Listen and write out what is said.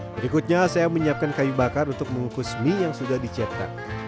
berikutnya saya menyiapkan kayu bakar untuk mengukus mie yang sudah dicetak